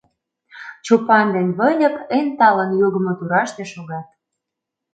Чопан ден Выльып эн талын йогымо тураште шогат.